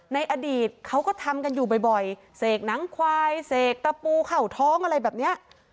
ในอดีตเขาก็ทำกันอยู่บ่อยเสกหนังควายเสกตะปูเข่าท้องอะไรแบบเนี้ย